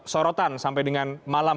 sorotan sampai dengan malam